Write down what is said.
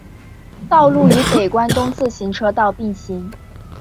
道路与北关东自动车道并行。